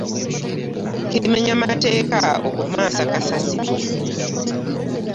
Kimenya mateeka okumansa kasasiro.